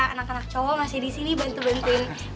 anak anak cowok masih disini bantu bantu ini